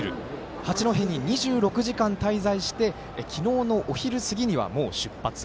八戸に２６時間滞在して昨日のお昼過ぎにはもう出発。